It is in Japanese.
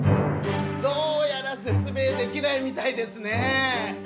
どうやらせつ明できないみたいですね！